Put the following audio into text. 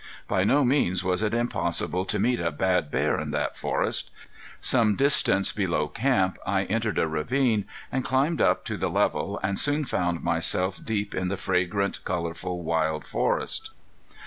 By no means was it impossible to meet a bad bear in that forest. Some distance below camp I entered a ravine and climbed up to the level, and soon found myself deep in the fragrant, colorful, wild forest.